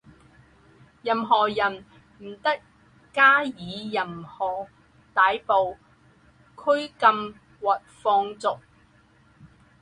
任何人不得加以任意逮捕、拘禁或放逐。